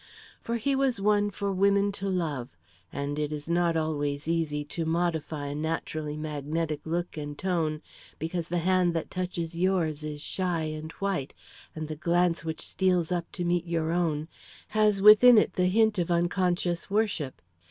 For he was one for women to love, and it is not always easy to modify a naturally magnetic look and tone because the hand that touches yours is shy and white, and the glance which steals up to meet your own has within it the hint of unconscious worship.